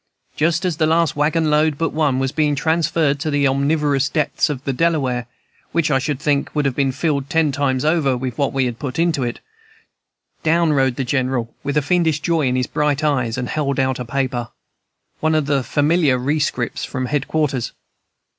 Just as the last wagon load but one was being transferred to the omnivorous depths of the Delaware, which I should think would have been filled ten times over with what we had put into it, down rode the General with a fiendish joy in his bright eyes and held out a paper, one of the familiar rescripts from headquarters.